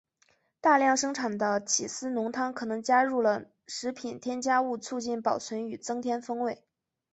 大量生产的起司浓汤可能加入了食品添加物促进保存与增添风味。